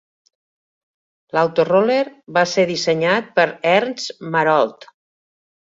L'Autoroller va ser dissenyat per Ernst Marold.